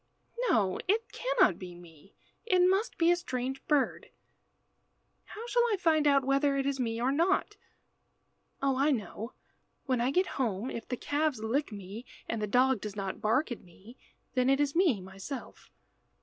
"No, it cannot be me. It must be a strange bird. How shall I find out whether it is me or not? Oh, I know. When I get home, if the calves lick me, and the dog does not bark at me, then it is me myself."